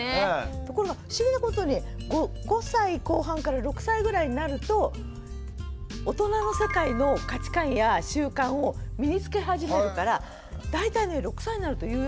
ところが不思議なことに５歳後半から６歳ぐらいになると大人の世界の価値観や習慣を身につけ始めるから大体ね６歳になると言うようになるんですよ。